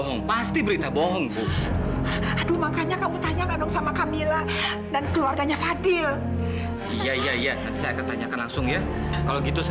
jangan ditinggal jangan ditinggal ya